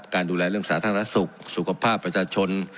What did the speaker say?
การดูแลเรื่องสาธารณสุขสุขภาพประชาชน